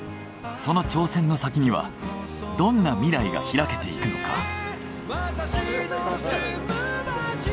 その挑戦の先にはどんな未来が開けていくのか？